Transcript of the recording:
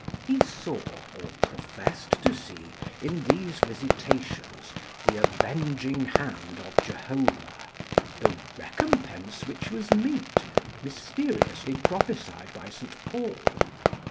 He saw, or professed to see, in these visitations the avenging hand of Jehovah, the "recompence which was meet" mysteriously prophesied by St. Paul.